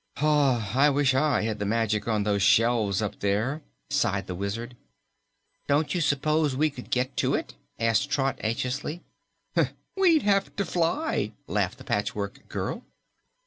"I wish I had the magic on those shelves up there," sighed the Wizard. "Don't you s'pose we could get to it?" asked Trot anxiously. "We'd have to fly," laughed the Patchwork Girl.